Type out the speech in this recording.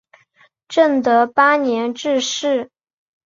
正德八年致仕。